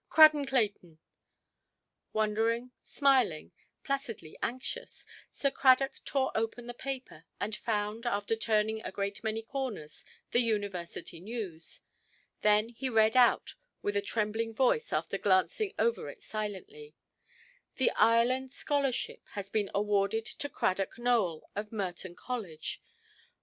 Crad and Clayton". Wondering, smiling, placidly anxious, Sir Cradock tore open the paper, and found, after turning a great many corners, the University news. Then he read out with a trembling voice, after glancing over it silently: "The Ireland scholarship has been awarded to Cradock Nowell, of Merton College.